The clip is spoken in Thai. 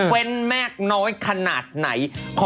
เว้นแม่กน้อยขนาดไหน